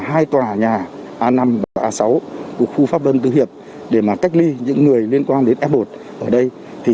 hai tòa nhà a năm và a sáu của khu pháp ơn tư hiệp để mà cách ly những người liên quan đến f một ở đây thì